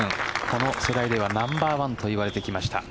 この世代ではナンバーワンといわれてきました。